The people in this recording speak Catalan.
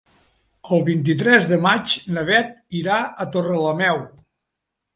El vint-i-tres de maig na Beth irà a Torrelameu.